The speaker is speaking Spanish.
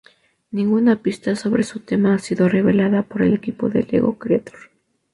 Ninguna pista sobre su tema ha sido revelada por el equipo de Lego Creator.